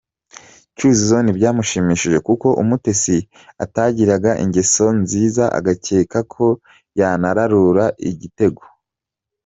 Cyuzuzo ntibyamushimishije kuko Umutesi atagiraga ingeso nziza agakeka ko yanararura Igitego.